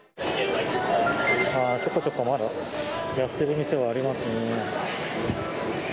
ちょこちょこまだやってる店はありますね。